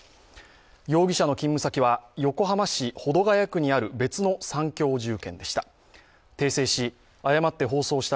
容疑者の勤務先は横浜市保土ケ谷区にある別の三共住建でした。